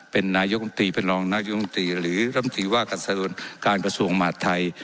เป็นนายกรมตรีเป็นรองนักยกรมตรีหรือรัมตีว่ากันสนุนการประสูรหมาชไทย